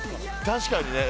確かにね。